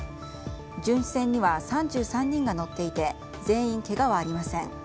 巡視船には３３人が乗っていて全員、けがはありません。